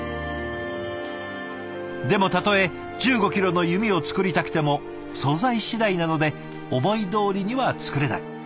でもたとえ１５キロの弓を作りたくても素材次第なので思いどおりには作れない。